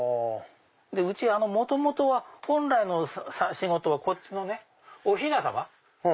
うち元々は本来の仕事はこっちのねおひな様。